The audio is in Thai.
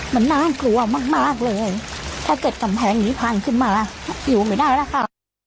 มันน่ากลัวมากเลยถ้าเกิดกำแพงนี้พังขึ้นมาหิวไม่ได้แล้วค่ะ